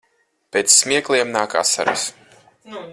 Pēc smiekliem nāk asaras.